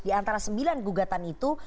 di antara sembilan gugatan itu